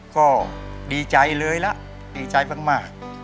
ก็ดีใจเลยละดีใจมาก